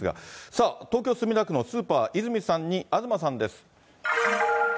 さあ、東京・墨田区のスーパーイズミさんに東さんです。